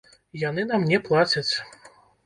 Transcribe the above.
Яны нам не плацяць.